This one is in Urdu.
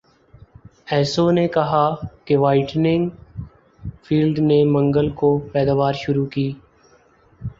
ایسو نے کہا کہ وائٹنگ فیلڈ نے منگل کو پیداوار شروع کی